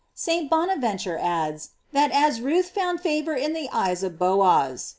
* St. Bonaventnre adds, that as Ruth found fa vor in the eyes of Booz.